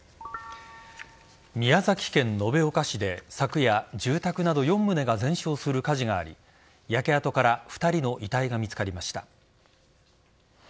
宮崎県延岡市で昨夜、住宅など４棟が全焼する火事があり焼け跡から２人の遺体が見つかりました。